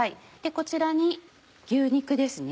こちらに牛肉ですね。